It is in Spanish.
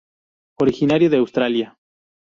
Originario de Australia.